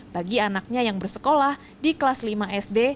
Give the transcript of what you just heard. bagi anaknya yang bersekolah di kelas lima sd